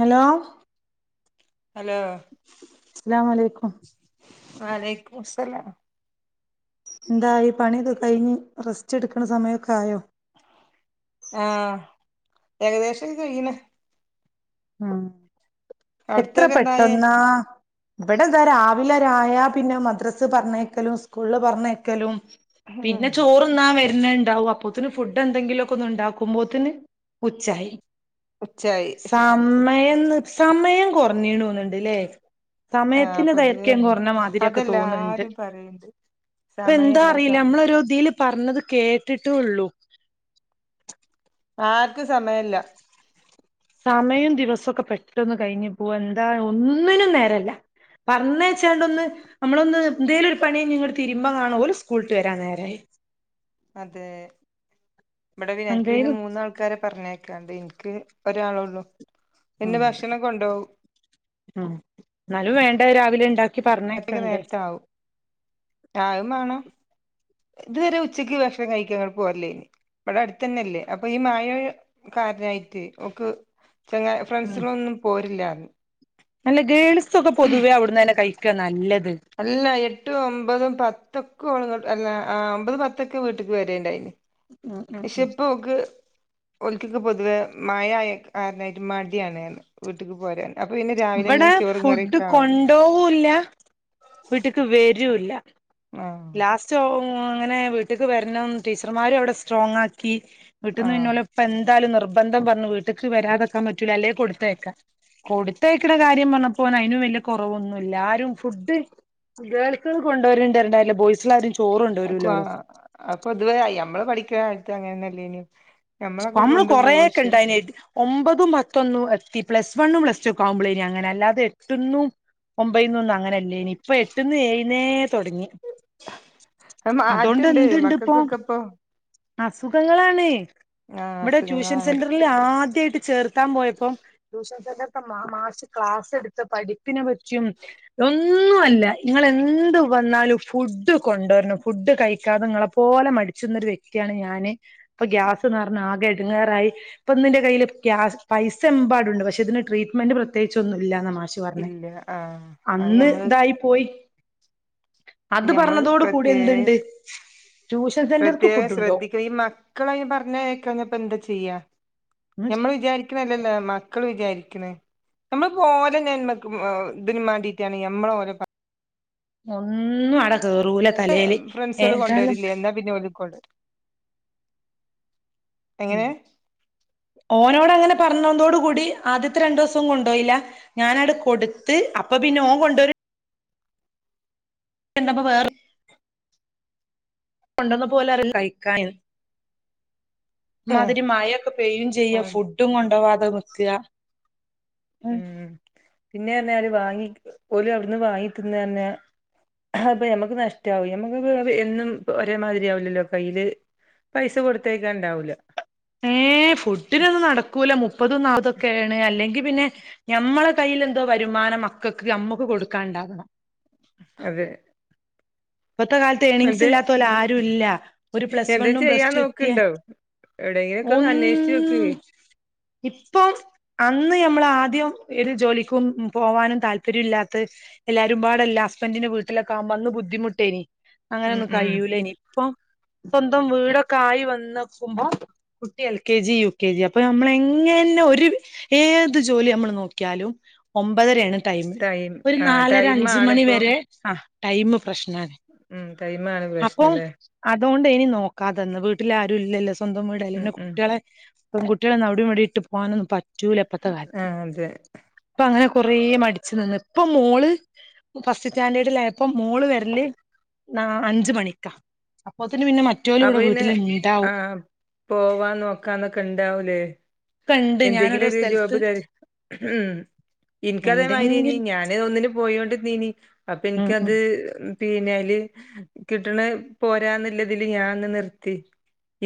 Hello hello സ്സലാം അലൈക്കും വാലൈക്കു മുസ്സലാം എന്തായി പണിതക്കെഴിഞ്ഞ് റെസ്റ്റെടുക്ക്ണ സമയക്കായോ? ആ ഏകദേശക്കെ കഴിയ്ണ് ഉംഎത്ര അവിടത്തൊക്കെ എന്തായേ പെട്ടെന്നാ ഇവിടെ ഇതാ രാവിലെരായ പിന്നെ മദ്രസ് പർഞ്ഞായ്ക്കലും സ്കൂള്ല് പറഞ്ഞാല്ക്കലും ഉം പിന്നെ ചോറുണ്ണാ വരു പിന്നെ ഇണ്ടാവും അപ്പോത്തിന് ഫുഡ് എന്തെങ്കിലൊക്കെ ഒന്ന് ഉണ്ടാക്കുമ്പോത്ത്ന് ഉച്ചായി. ഉച്ചായി സമയംന്ന് സമയം കൊർഞ്ഞീണോണ്ട്ല്ലേ ആഹ് സമയത്തിന് പൊതുവെ ദൈർഘ്യം അങ്ങ കൊർഞ്ഞ മാതിരിയൊക്കെ തോന്ന്ണ്ട്. അതെല്ലാരും പറയണ്ട് ഇപ്പൊ എന്താ സമയല്ല സ അറീല്ല നമ്മളൊരുതീല് പർഞ്ഞത് കേട്ടിട്ടൊള്ളു ആർക്ക് സമയല്ല സമയും ദിവസൊക്കെ പെട്ടൊന്ന് കഴിഞ്ഞ് പോവന്താ ഒന്നിനും നേരല്ല. പർന്നായ്ച്ചാണ്ടോന്ന് നമ്മളൊന്ന ന്തേലും പണി കയ്ഞ്ഞിങ്ങട്ട് തിരിമ്പ കാണോല് സ്കൂള്ട്ട് വെരാനേരായി. ഇബടെ അൻക്ക് പിന്നെ മൂന്നാൾക്കാരെ പറഞ്ഞയ് ക്കാണ്ട് ഇൻക്ക് ഒരാളൊള്ളു ഉം എന്നും ഭക്ഷണം കൊണ്ടോവും. ന്നാലും വേണ്ടേ രാവിലെ ഇണ്ടാക [unintelligible] നേർത്താവും ആവും മാണം ഇതുവരെ ഉച്ചയ്ക്ക് ഭക്ഷണം കഴിക്കാൻ ങ്ങട്ട് പോർലേനി ഇവിടെ അടുത്തന്നെല്ലേ അപ്പൊ ഈ മഴ കാരണായിട്ട് ഓക്ക്‌ ചെങ്ങാ ഉം ഫ്രണ്ട്സ്കളൊന്നും പോരില്ലാർന്ന് ക്കെ നല്ലത് അല്ല എട്ടും ഒമ്പതും പത്തൊക്കെ ഒമ്പതു പത്തൊക്കെ വീട്ടിൽ വരികയുണ്ടായി ഉം ഉം പക്ഷെ ഉം ഇപ്പൊ ഓക്ക് ഒലിക്കൊക്കെ പൊതുവെ മഴയായ കാരനായിട്ട് മടിയാണെന്ന് വീട്ട്ക്ക് പോരാൻ അപ്പൊ പിന്നെ രാവിലെന്നെ ഇവിടെ ചോറും ഫുഡ് കറിയൊക്കെ ആവും കൊണ്ടോവുല്ല വീട്ട്ക്ക് വരൂല്ല ആഹ് ലാസ്റ്റ് ങ്ങനെ വീട്ടിക്ക് വരണം ടീച്ചർമാരും അവിടെ സ്ട്രോങ് ആക്കി വീട്ടീന്ന് പിന്നെ ആഹ് ഓലെ ഉപ്പ ന്തായാലും നിർബന്ധം പറഞ്ഞു വീട്ടക്ക് വരാതെക്കാൻ പറ്റൂല അല്ലെ കൊടുത്തയക്കാം കൊടു ത്തയക്കണ കാര്യം പറഞ്ഞപ്പോ അയിനും വലിയ കുറവൊന്നുല്ല ആരും ഫുഡ് ഫുഡുകൾ കൊണ്ടുവരണ്ടല്ലോ ബോയ്സ് ആരും ആ പൊതുവെ നമ്മൾ പഠിക്കുന്ന കാലത്ത് അങ്ങനെ ഒന്നും ഇല്ലായിരുന്നു നമ്മള് കൊറേക്കെ ഉണ്ടായേനെ ഒമ്പതും പത്തൊന്നും എത്തി പ്ലസ് വണ്ണും പ്ലസ് ടു ഒക്കെ ആകുമ്പോളാനി അങ്ങനെഒക്കെ അല്ലാതെ എട്ട്ന്നു ഒമ്പന്നു ഒന്നും അങ്ങനെ അങ്ങനെല്ലനി ഇപ്പ എട്ടന്ന് എഴ്‌ന്നേ തുടങ്ങി അത് അതോണ്ട് മാറ്റണ്ട് എന്തിണ്ടിപ്പോ മക്കൾക്കൊക്കെ ഇപ്പൊ അസുഖങ്ങളാണ് ആഹ് ഇവിടെ ട്യൂഷൻ അസുഖങ്ങളാണ് സെന്ററിൽ ആദ്യ ട്ട് ചേർത്താൻ പോയപ്പം ട്യൂഷൻസെന്റർത്തെ മാഷ് ക്ലാസെടുത്ത് പഠിപ്പിനെ പറ്റ റ്റിയും ഒന്നും ഒന്നും അല്ല ഇങ്ങളെന്തു വന്നാലും ഫുഡ് കൊണ്ടുവരണം ഫുഡ് കഴിക്കാതെ നിങ്ങളെ പോലെ മടിച്ചുന്നൊരു വ്യക്തിയാണ് ഞാൻ അപ്പൊ ഗ്യാസ് നിറഞ്ഞ് ആകെ എടങ്ങേറായി ഇപ്പ എന്റെ കയ്യിൽ് പൈസ എമ്പാടുണ്ട് പക്ഷെ ഇതിന് ട്രീറ്റ്മെന്റ് പ്രത്യക ച്ചൊന്നും ഇല്ലന്ന മാഷ് പറഞ്ഞേ ഇല്ല ആഹ് അത് അന്ന് ഞമ്മള് ഇതായി പോയി അത് ഞമ്മള് പറഞ്ഞതോട് കൂടി എന്തുണ്ട് പ്രത്യേക ട്യൂഷൻ സെന്റർക്ക് പ്രത്യേകം ഫുഡുണ്ടോ ശ്രദ്ധിക്കണം ഈ മക്കള പറഞ്ഞ പറഞ്ഞ കേക്കാഞ്ഞ ഇപ്പൊ എന്താ ചെയ്യാ ഒന്നും ഞമ്മൾ വിചാരിക്കണ അല്ലല്ല മക്കള് വിചാരിക്കണ് നമ്മളിപ്പോലനന്മക്ക് ഇതിനും വേണ്ടിട്ടാണ് ഞമ്മലോറെ ഒന്നും അടകേറൂല തലയില് ഫ്രണ്ട്സുകൾ ഏന്താലും കൊണ്ടുവരില്ലേ എന്നാ പിന്നെ ഓല് കൊണ്ടുവരും എങ്ങനെ ഓനോട് അങ്ങനെ പറഞ്ഞതോടു കൂടി ആദ്യത്തെ രണ്ടു ദിവസം കൊണ്ടോയില ഞാന അടെ കൊടുത്ത് അപ്പൊ പി പിന്നെ ഓൻ കൊണ്ടൊര എന്താപ്പ വേറെ ഒണ്ടെന്ന് പോലെ കഴിക്കാൻ ഉം മാതിരി മഴൊക്കെ പെയ്യും ചെയ്യും ആഹ് ഫുഡും കൊണ്ടാവാതെ നിക്ക ഉം പിന്നെ പറഞാല് വാങ്ങി ഓല് അവിന്ന് വാങ്ങിട്ടന്ന് തന്നെ അപ്പൊ ഞമ്മക്ക് നഷ്ടമാവും ഞമ്മക്ക് എന്നും ഒരേമാതിരി ആവില്ലല്ലോ കയ്യില് പൈസ കൊടുത്തേയ്ക്കാൻ ഉണ്ടാവൂല ഏഹ് ഫുഡിനൊന്നും നടക്കൂല മുപ്പത് നാൽപ്പതൊക്കെയാണ് അല്ലെങ്കിൽ പിന്നെ ഞമ്മളെ കയ്യില് എന്തോ വരുമാനം മക്കൾക്ക് നമ്മുക്ക് കൊടുക്കാൻ ഉണ്ടാകണം അതെ ഇപ്പത്തെ കാലത്ത് ഏണിങ്സ് ഇന്നട്ട് ഇല്ലാത്തോല് ആരും ഇല്ല ഒരു പ്ലസ് എന്തേ വണ്ണും പ്ലസ് ചെയ്യാൻ ടു എത്തിയ നോക്ക്ണ്ടേ എവിടെങ്കിലോക്കെ ഒന്ന് അന്വേഷിച്ചു നോക്ക് ഇപ്പം അന്ന് ഞമ്മള് ആദ്യം ഒരു ജോലിക്കും പോവാനും താല്പര്യം ഇല്ലാത്തയ് എല്ലാരും പാട് ഇല്ല ഹസ്ബൻഡറിന്റെ വീട്ടിലൊക്കെ ആവുബം അന്ന് ബുദ്ധിമുട്ട് ട്ടേയ്നി ഉം അങ്ങനെൊന്നും ഉം കഴിയൂല ഇനി ഇപ്പൊ സ്വന്തം വീടൊക്കെ ആയി വന്നക്കുമ്പോ കുട്ടി L K G U K G അപ്പൊ നമ്മള് എങ്ങനെ ഒരു ഏത് ജോലി നമ്മള് നോക്കിയാലും ഒമ്പതര ആണ് ടൈമ് ടൈം ഒരു ആ നാലര അഞ്ച് ടൈമാണ് മണി ഇപ്പം വരെ ആ ടൈമ് പ്രശ്നാ ഉം ടൈമാണ് പ്രശ്നല്ലേ അതുകൊണ്ട് ഇനി നോക്കാതെന്ന് വീട്ടിലാരും ഇല്ലല്ലോ സ്വന്തം വീടല്ല ഉം പിന്നെ ഉം കുട്ടികളെ പെൺകുട്ടികളെ അവിടെയും ഇവിടി ഇട്ട് പോകാനൊന്നും പറ്റൂല ഇപ്പത്തെ ആ കാലത്ത് അതെ അപ്പൊ അങ്ങനെ കൊറേ മടിച്ചു നിന്ന് ഇപ്പ മോള് ഫസ്റ്റ് സ്റ്റാൻഡേർഡിലായപ്പോ മോള് വരല് നാ അഞ്ചു മണിക്ക അപ്പൊ അപ്പൊപിന്നെ ആഹ് പോവാ നോക്കാന്നൊക്കെണ്ടാവൂലേ ഒക്കെണ്ട് എന്തെങ്കിലും ഞാനോരോ ഒരു സ്ഥലത്ത് ജോബ് തെരു ഉം ഇൻക്കതേമായ്രി ഏയ്നി എന്തെങ്കിലും ഞാന് ഒന്നിന് പോയോണ്ടീന്നീ അപ്പൊ ഉം ഉം ഇൻക്കത് പിന്ന അയ്ല് കിട്ടണ പോരാന്നില്ലതില് ഞാൻന്ന് നിർത്തി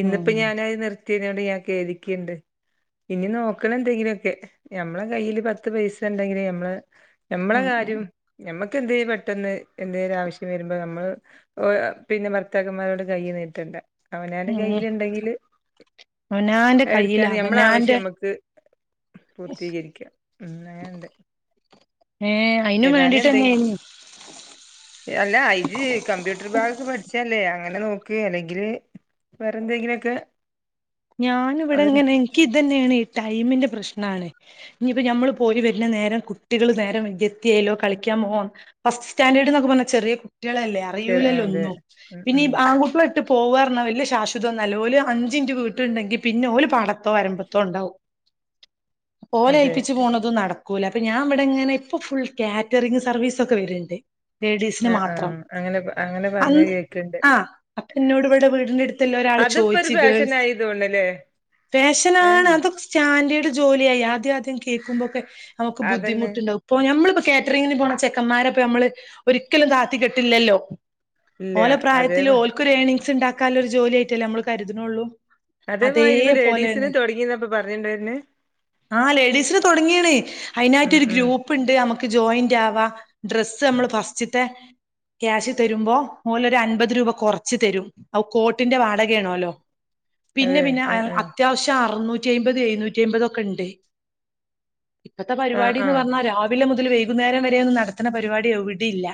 ഇന്നിപ്പോ ഉം ഞാനത് നിർത്തിയതിനോട് ഞാൻ കേധിക്ക്ണ്ട് ഇനി നോക്ക്ണെന്തെങ്കിലോക്കെ ഞമ്മളെ കയ്യില് പത്ത് പൈസ ഉണ്ടെങ്കിലേ ഞമ്മളെ നമ്മളെ ഉം കാര്യം ഞമ്മക്ക് ക്കന്തേലും പെട്ടെന്ന് എന്തേലും ആവശ്യം വരുമ്പോ നമ്മൾ പിന്നെ ഭർത്താക്കന്മാരോട് കയ്യ് നീട്ടണ്ട അവനാന്റെ ഉം ഉം കയ്യില്ണ്ടങ്കില് അവനാന്റെ കയ്യില് അവനാന്റെ നമ്മക്ക് പൂർത്തീകരിക്കാ ഉം അങ്ങനണ്ട് അതിന് വേണ്ടീട്ടന്നെയായിരുന്നു അല്ല ഇജ് കമ്പ്യൂട്ടർ ഭാഗമൊക്കെ പഠിച്ചല്ലേ അങ്ങനെ നോക്ക് അല്ലെങ്കിൽ വേറെന്തെങ്കിലൊക്കെ ഞാന് ഇവിടെ ഇങ്ങനെ എനിക്ക് ഇതന്നെയാണ് ടൈമിന്റെ പ്രശ്നാണ് ഇനിപ്പോ നമ്മള് പോയി വരുന്ന നേരം കുട്ടികൾ നേരം വയ്ക്കിയെത്തിയാലോ കളിക്ക മോ ഫസ്റ്റ് സ്റ്റാൻഡേർഡ്ക്കെ പർഞ്ഞ ചെറിയ കുട്ടിയേളല്ലേ ചെ അറിയൂലല്ലോ അതെ ഒന്നും ഉം പിന്നെ ഈ ഉം ആൺകുട്ട്യെള് ട്ട് പോവാ പർഞ്ഞ വല്ല്യ ശാശുദ്ധന്നല്ല ഓല് അഞ്ചിൻ റ്റ് വീ ട്ട്ണ്ടെങ്കി പിന്നെ ഓല് പാടത്തോ വരമ്പത്തോ ഉണ്ടാവും. അപ്പോലെ അതെ ഏൽപ്പിച്ച് പോണതും നട ക്കൂല. അപ്പ ഞാൻ ഇവടെ ഇങ്ങനെ ഇപ്പൊ ഫുൾ കാറ്ററിംഗ് സർവീസൊക്കെ വര്ണ്ട്. ലേഡീസിന് ആഹ് മാത്രം. ആഹ് അങ്ങനെ അങ്ങനെ പറഞ്ഞ അന്ന് കേക്ക്ണ്ട് ആഹ് അപ്പം ന്നോട് ഇവടെ വീടിന്റെ എടുത്ത്ല്ലോരാ ള് അതിപ്പോ ഒരു ചോയ്ച്ച് ഗേൾസ് ഫാഷനായി തോന്ന്ണല്ലേ ഏഹ് ഫാഷനാണ് അതൊക്കെ സ്റ്റാൻഡേർഡ് ജോലിയായി ആദ്യ ആദ്യം കേക്കുമ്പോക്കെ നമുക്ക് അതന്നെ ബുദ്ധിമുട്ടുണ്ടാവും. ഇപ്പോ നമ്മിപ്പോ കേറ്ററിങ്ങിന് പോന്ന ചെക്കമ്മാരെ പ്പം ഞമ്മള് ഒരിക്കലും താത്തി കെട്ടില്ലല്ലോ. ഇല്ല ഓലെ അതേ പ്രായത്തിൽ ഓൽക്കൊരേണിംഗ്സ് ച്ച് ഉണ്ടാക്കാൻള്ള ഒരു ജോലിയായിട്ടല്ലേ നമ്മള് കരുത്ണൊള്ളൂ അതേ മായ്രിപ്പ ലേഡീസിന് തൊടങ്ങീന്നാ പ്പം പറഞ്ഞ് ണ്ടോര്നെ. ആഹ് ലേഡീസിന് തൊടങ്ങീണ്. ഉം അയിനായിറ്റൊരു ഉം ഗ്രൂപ്പ് ണ്ട് നമുക്ക് ജോയിന്റ് ആവാ ഡ്രസ്സ് നമ്മൾ ഫസ്റ്റ് ത്തെ ക്യാഷ് തരുമ്പോ മുല ഒരു അൻപത് രൂപ കൊറച്ച് തരും അ കോട്ടിന്റെ വാടകയാണോല്ലോ പിന്നെ അതെ പിന്നെ ആ ആഹ് ആഹ് അത്യാവശ്യം അറുന്നൂറ്റിയെമ്പത് എഴുന്നൂറ്റി യെമ്പതൊക്കെണ്ട്. ഇപ്പത്തെ ആഹ് പരിപാടിന്ന് ആഹ് പർണാ രാവിലെ മുതൽ വൈ കുന്നേരം വരെയൊന്നും നടത്തണ പരിപാടി എവിടെയില്ല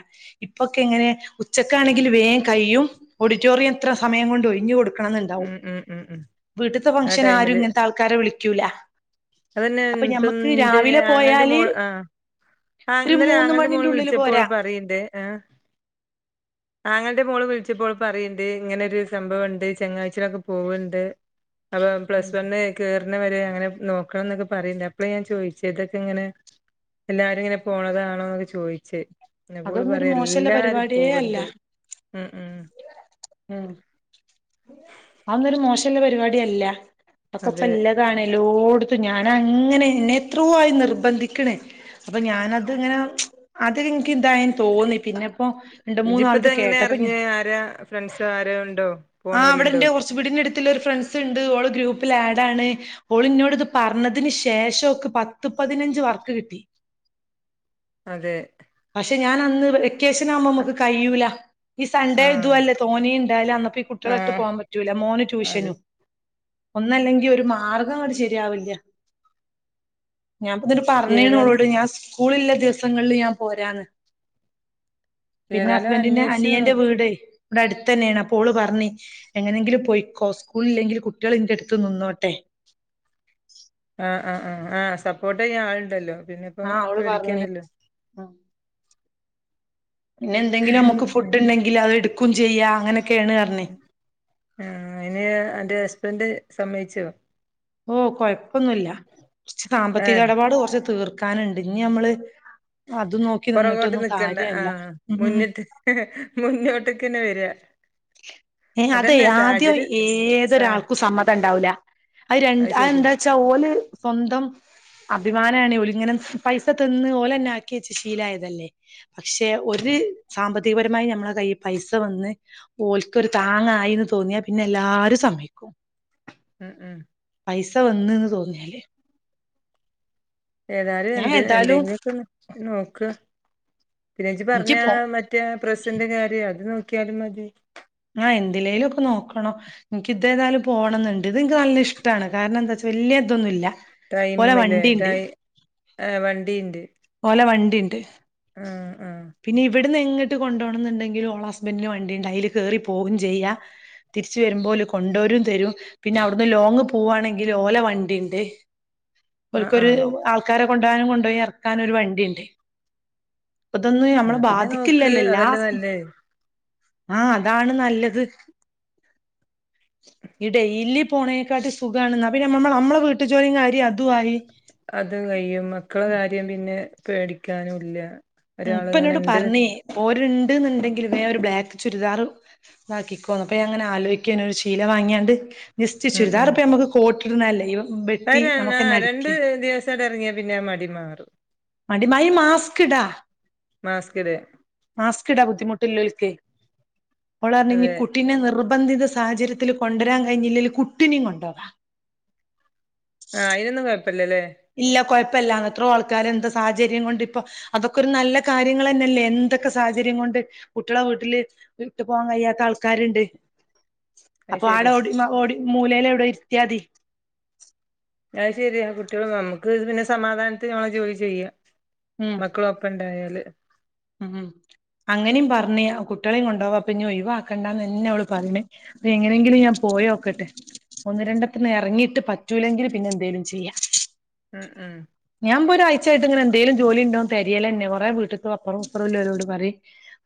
ഇപ്പൊക്കെ എങ്ങനെ ഉച്ചക്കാണെങ്കില് വേഗം കഴിയും ഓഡിറ്റോറിയത്ര സമയം കൊണ്ട് ഒഴിഞ്ഞു കൊടുക്കണന്നുണ്ടാവും. ഉം ഉം ഉം ഉം വീട്ടിത്തെ ആ ഫങ്ഷനാരും ടൈമില് ഇങ്ങനത്തെ ആൾക്കാരെ വിളിക്കൂല. അതന്നെ അപ്പൊ ഞമ്മക്ക് ഇപ്പന്റെ രാവിലെ ആങ്ങേന്റെ പോയാല് മോള് ആ ആ ഒരു ഇന്നലെ മൂന്ന് ആങ്ങൾന്റെ മണിന്റെ മോള് ഉള്ളില് വിളിച്ചപ്പോ പോരാ അവള് പറയണ്ട് ആ ആങ്ങൾന്റെ മോള് വിളിച്ചപ്പോ ഓള് പറയ്ണ്ട് ഇങ്ങനൊരു സംഭവണ്ട് ചെങ്ങാഴ്ചലക്ക് പോവണ്ട് അപ്പ പ്ലസ് വണ്ണ് കേറുന്ന വരെ അങ്ങനെ നോക്കണന്നൊക്കെ പറയിണ്ട് അപ്പളേ ഞാൻ ചോയിച്ചതക്കെങ്ങനെ എല്ലാരും ഇങ്ങനെ പോണതാണോന്നൊക്കെ ചോയിച്ച് അപ്പോള്‌ അതൊന്നൊരു പറയാ മോശല്ല എല്ലാരും പരിപാടിയേ അല്ല പോവണ്ട്. മ്മ് മ്മ് ഉം ആന്നൊരു മോശല്ല പരിപാടിയല്ല. അതെ പ്പക്കെപ്പല്ലതാണ് എല്ലോടുത്തും ഞാനങ്ങനെ എന്നെത്രോയി നിർബന്ധിക്കണ്. അപ്പ ഞാനത്ങ്ങനെ അതെനിക്ക് തായെന്ന് തോന്നി പിന്നെ പ്പം രണ്ട് ഇജിപ്പ മൂന്നാൾത് ഇതെങ്ങനെ കേട്ടപ്പ ഞാ അറിഞ്ഞ് ആരാ ഫ്രണ്ട്സ് ആരോ ഉണ്ടോ ആ പോണോലുണ്ടോ അവിടെണ്ട് കൊറച്ചിവിടുന്നു ഇടിത്തിലൊരു ഫ്രണ്ട്സ്ണ്ട് ഓള് ഗ്രൂപ്പിൽ ആഡാണ് ഓളിന്നോട് ഇത് പറഞ്ഞതിന് ശേഷോക്ക് പത്ത് പതിനഞ്ച് വർക്ക് കിട്ടി. അതെ. ക്ഷെ ഞാനന്ന് വി ക്കേഷനാകുമ്പ മമക്ക് കഴിയൂല ഈ സൺ‌ഡേ ആഹ് ഇതുവല്ലേ തോന്നണ്ടായലു അന്നപ്പി കുട്ടികളെടുത്തു ആഹ് പോവാൻ പറ്റൂല. മോന് അത് ട്യൂഷനു. ഒന്നല്ലങ്കി ഒരു മാർഗങ്ങട്ട് ശരിയാവില്ല. ഞാൻപ്പന്നിട്ട് ഏതായാലും പറഞ്ഞിനോളോട് ഞാൻ സ്കൂളില്ല ദിവസങ്ങളില് ഞാൻ പോരാന്ന്. പിന്നെ ഏതായാലും ഹസ്ബന്റിന്റെ അന്വേഷിച്ച് അനിയന്റെ നോക്ക് വീടേ ഇവടടുത്തന്നെയാണ് അപ്പോ ഓള് പറഞ്ഞി എങ്ങനെങ്കിലും പോയിക്കോ സ്കൂളില്ലെങ്കിലും കുട്ടികൾ ഇന്റെടുത്ത് നിന്നോട്ടെ. ആ ആ ആ ആ സപ്പോട്ടെയ്യാൻ ആളുണ്ടല്ലോ. പിന്നെ ഇപ്പം ആഹ് അവള് പറഞ്ഞ് പേടിക്കേണ്ടല്ലോ. പിന്നെ എന്തെങ്കിലുമുക്ക് ഫുഡ്ണ്ടെങ്കിലത് എടുക്കൂചെയ്യാം അങ്ങനെ ആ അയിന് അന്റെ ഹസ്ബൻഡ് സമ്മയിച്ചുവോ? ഓ കൊയപ്പൊന്നുല്ല ച്ച് സാമ്പത്തിക ഏഹ് എടപാട് കൊറച്ച് തീർ ക്കാന്ണ്ട് ന്നിമ്മള് പൊറകോട്ട് നിക്കണ്ട ആ ഉം മുന്നിട്ട് മുന്നോട്ടക്കന്നെ വരിക. ഏ അതെ അതന്നെ ആദ്യം സാഹചര്യം സാ ഏതൊരാൾക്കും സമ്മതണ്ടാവൂല. അയ് അത് രണ്ട് ശരിയാ അയെന്താച്ചാ ഓല് സ്വന്തം അഭിമാനാണ് ഓലിങ്ങനെ പൈസ തിന്ന് ഓലന്നെ ആക്കി വെച്ച് ശീലായതല്ലേ പക്ഷെ ഓ ഒര് സാമ്പത്തികപരമായി നമ്മള കയ് പൈസ വന്ന് ഓൽക്കൊരു താങ്ങായിന്ന് തോന്നിയാ പിന്നെ എല്ലാരും സമ്മയിക്കും. ഉം ഉം പൈസ വന്ന്ന്ന് തോന്നിയാല്. ഏതാല് ഞാൻ എന്ത് ഏതായാലും എന്തെങ്കിലൊക്കെന്ന് നോക്ക്. പിന്നേച്ചി പറഞ്ഞ എനിക്ക് പോ മറ്റേ പ്രസിന്റെ കാര്യ അത് നോക്കിയാലും മതി. ആ എന്തിലേലുക്കെ നോക്കണം എനിക്കിതേതാലും പോണന്നുണ്ട് ഇതെൻക്ക് നല്ല ഇഷ്ടാണ് കാരണന്താച്ച വല്ല്യ ഇതൊന്നുല്ല. ഓലെ ടൈമ്മ്ലേ വണ്ടിണ്ട് ടൈ ആ വണ്ടീണ്ട്. ല്ല വണ്ടിണ്ട്. ആഹ് അവിട്ന്നിങ്ങട്ട് കൊണ്ടോണന്ന്ണ്ടെങ്കിൽ ഓളസ്ബന്റിന് വണ്ടിണ്ട് അയില് കേറി പോകും ചെയ്യാം. തിരിച്ച് വെരുമ്പോല് കൊണ്ടോരും തെരും പിന്നവിടുന്ന് ലോങ്ങ് പോവാണെങ്കില് ഓല വണ്ടിണ്ടേ. ആഹ് ഓൾക്കൊര് ആഹ് ആൾക്കാരെ കൊണ്ടാനും കൊണ്ടോയി എറക്കാനും ഒരു വണ്ടിണ്ട്. പ്പതൊന്നു എന്നാ യമ്മളെ പിന്നെ നോക്ക് ബാധിക്കില്ലല്ലല്ലല്ലാ. അതല്ലേ നല്ലേ ആ അതാണ് നല്ലത്. ഈ ഡെയ്‌ലി പോണേക്കാട്ടി സുഖമാണ് ന്നാ പിന്നെ നമ്മ നമ്മളെ വീട്ട് ജോലി കാര്യം അതു ആയി. അത് കയ്യും മക്കട കാര്യം പിന്നെ പേടിക്കാനും ഇല്ല. ഉം ഇപ്പ ഒരാളിങ്ങനെ എന്നോട് ഇണ്ട് പറഞ്ഞേ ഓര് ഇണ്ട് ഉണ്ടെങ്കില് വേറൊരു ബ്ലാക്ക് ചുരിദാർ ഇതാക്കിക്കോന്ന് അപ്പ അങ്ങനെ ആലോയിക്കാണ് ഒരു ശീല വാങ്ങാണ്ട് ജെസറ്റ് ചുരിദാറിപ്പം നമുക്ക് കോട്ടിടുന്നല്ലേ ഇവ വെട്ടി വരാണ് നമുക്കന്നെ ആ രണ്ട് അടിക്ക ദിവസക്കെ ഇറങ്ങിയാ പിന്നെ ആ മടി മാറും. മടി മായി മാസ്ക് ഇടാ മാസ്ക് ഇട മാസ്ക് ഇടാ ബുദ്ധിമുട്ടില്ല. ക്കേ ഓളാന്നെങ്കി അതെ കുട്ടീനെ നിർ നിർബന്ധിത സാഹചര്യത്തില് കൊണ്ടുവരാൻ കഴിഞ്ഞില്ലേല് കുട്ടീനെ കൊണ്ടോവാ. ആ അയിതിനൊന്നും കൊഴപ്പില്ലല്ലേ? ല്ല എത്രോ ആൾക്കാരെ എന്ത സാഹചര്യം കൊണ്ട് ഇപ്പൊ അതൊക്കെ ഒരു നല്ല കാര്യങ്ങൾ തന്നല്ലേ എന്തൊക്കെ സാഹചര്യം കൊണ്ട് കുട്ടികളെ വീട്ടില് വിട്ട് പോകാൻ കഴിയാത്ത ആൾക്കാരിണ്ട്. അത് അപ്പൊ ആടെ ശരി ഓടി ഓടി മൂലയില എവിടെ ഇരുത്തിയാതി. അത് ശെരിയാ കുട്ടികൾ നമുക്ക് ഇ പിന്നെ സമാധാനത്തി ഞമ്മള് ജോലി ചെയ്യാ. ഉം മക്കളും ഒപ്പ ഇണ്ടായാല് ഉം അങ്ങനെയും പറഞ്ഞ കുട്ടികളെയും കൊണ്ടപോവാ അപ്പ ഇനി ഒഴിവാക്കണ്ടാന്ന്ന്നെ അവള് പറയണേ അപ്പ എങ്ങനെങ്കിലും ഞാൻ പോയോക്കട്ടെ ഒന്ന് രണ്ടെത്തിന് ഇറങ്ങിട്ട് പറ്റൂല്ലെങ്കില് പിന്നെ എന്തേലും ചെയ്യാം ഉം ഉം ഇച്ച് എന്തേലും ജോലി ഉണ്ടോന്ന് തെരയല്ന്നെ കുറെ വീട്ട് അപ്പുറം ഇപ്പറല്ലരോട് പറയും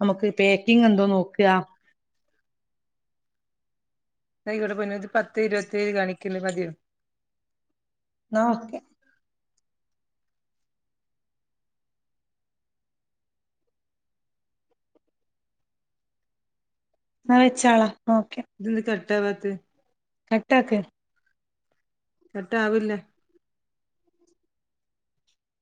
നമുക്ക് പാക്കിങ് എന്തോ നോക്കുക ന ഇവിടെ പോയത് പത്ത് ഇരുപത്തി ഏഴ് കാണിക്കല്ലേ മതിയോ ന്ന ഓക്കെ എന്നാ വെച്ചൊളാ ഇതന്ത് കട്ടാവാത്തെ കട്ടാക്ക് കട്ടാ ആവില്ല